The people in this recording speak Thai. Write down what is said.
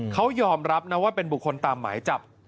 เขายอมรับนะว่าเป็นบุคคลตามหมายจับ